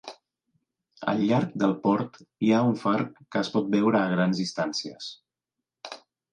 Al llarg del port hi ha un far que es pot veure a grans distàncies.